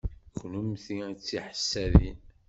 Kennemti d tiḥessadin.